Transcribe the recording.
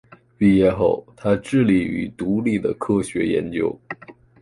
毕业后，他致力于独立的科学研究。